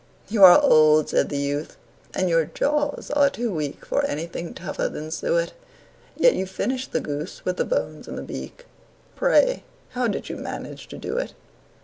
"You are old," said the youth, "and your jaws are too weak For anything tougher than suet; Yet you finished the goose, with the bones and the beak Pray, how did you manage to do it?"